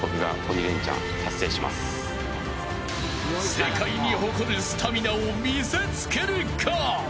世界に誇るスタミナを見せつけるか。